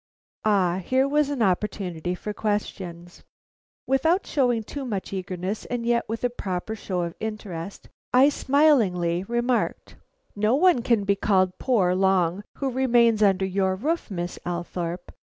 Ah, here was an opportunity for questions. Without showing too much eagerness and yet with a proper show of interest, I smilingly remarked: "No one can be called poor long who remains under your roof, Miss Althorpe.